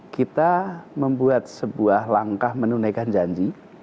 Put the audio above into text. kita membuat sebuah langkah menunaikan janji